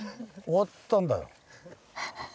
終わったんだよ。